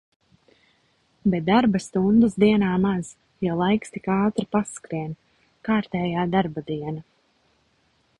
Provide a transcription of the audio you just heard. Bet darba stundas dienā maz, jo laiks tik ātri paskrien. Kārtējā darba diena.